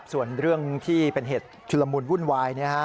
ส่วนเรื่องที่เป็นเหตุชุลมุนวุ่นวาย